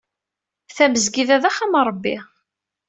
Tamezgida d axxam n rebbi.